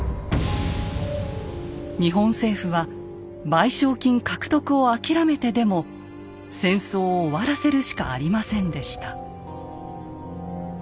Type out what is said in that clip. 日本政府は賠償金獲得を諦めてでも戦争を終わらせるしかありませんでした。